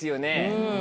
うん。